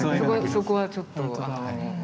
そこはちょっと。